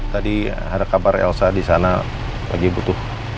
tadi ada kabar elsa disana lagi butuh